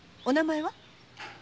お名前は？